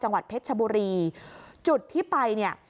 จังหวัดเพชรชบุรีจุดที่ไปเนี่ย